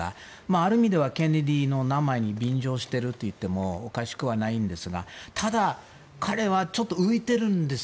ある意味では、ケネディの名前に便乗しているといってもおかしくはないんですがただ、彼はちょっと浮いてるんです